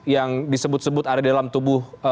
yang disebut sebut ada di dalam tubuh